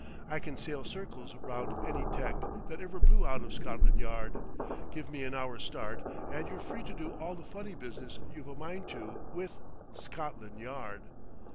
"I can sail circles round any tec. that ever blew out of Scotland Yard! Give me an hour's start, and you're free to do all the funny business you've a mind to, with Scotland Yard!"